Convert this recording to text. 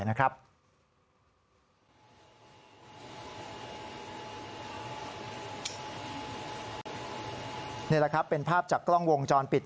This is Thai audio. นี่แหละครับเป็นภาพจากกล้องวงจรปิด